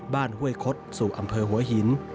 บ้านเฮ้วยคดสู่อำเภอหัวหิน